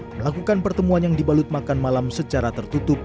melakukan pertemuan yang dibalut makan malam secara tertutup